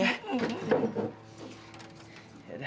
boleh nyanyi ya